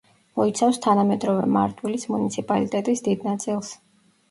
მოიცავს თანამედროვე მარტვილის მუნიციპალიტეტის დიდ ნაწილს.